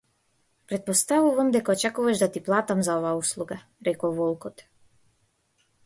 Претпоставувам дека очекуваш да ти платам за оваа услуга, рекол волкот.